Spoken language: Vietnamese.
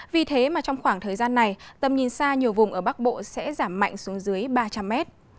vì thế mà trong khoảng thời gian này tầm nhìn xa nhiều vùng ở bắc bộ sẽ giảm mạnh xuống dưới ba trăm linh mét